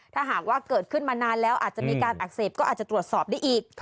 ถ้าหากว่าเกิดขึ้นมานานแล้วอาจจะมีการอักเสบก็อาจจะตรวจสอบได้อีก